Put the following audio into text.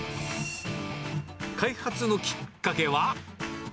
開発のきっかけは？